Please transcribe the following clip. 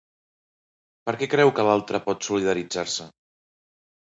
Per què creu que l'altre pot solidaritzar-se?